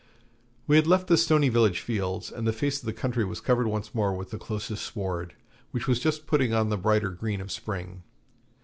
We had left the stony village fields, and the face of the country was covered once more with the closest sward, which was just putting on the brighter green of spring.